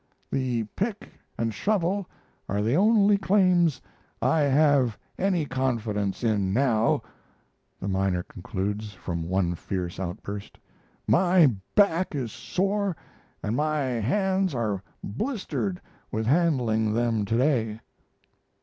"The pick and shovel are the only claims I have any confidence in now," the miner concludes, after one fierce outburst. "My back is sore, and my hands are blistered with handling them to day."